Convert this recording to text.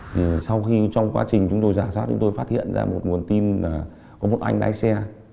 thì sau khi trong quá trình chúng tôi giả soát chúng tôi phát hiện ra một nguồn tin là có một anh lái xe